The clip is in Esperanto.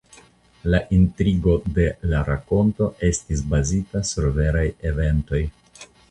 La intrigo de la rakonto estas bazita sur veraj eventoj.